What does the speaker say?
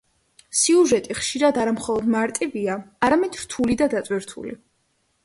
სიუჟეტი ხშირად არა მხოლოდ მარტივია, არამედ რთული და დატვირთული.